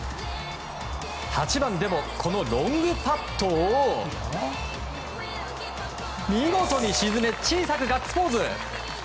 ８番でもこのロングパットを見事に沈め小さくガッツポーズ！